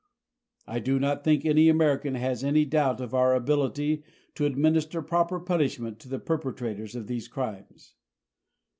I do not think any American has any doubt of our ability to administer proper punishment to the perpetrators of these crimes.